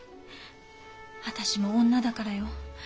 私も女だからよ。